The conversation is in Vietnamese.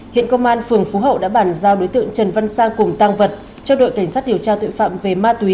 hiện công an phường phú hậu đã bàn giao đối tượng trần văn sang cùng tăng vật cho đội cảnh sát điều tra tội phạm về ma túy